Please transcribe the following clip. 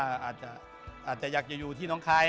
อาจจะอยากจะอยู่ที่น้องคาย